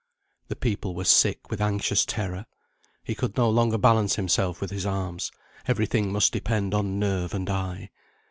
The people were sick with anxious terror. He could no longer balance himself with his arms; every thing must depend on nerve and eye.